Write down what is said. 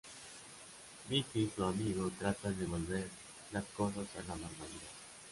Mickey y sus amigo tratan de volver las cosas a la normalidad.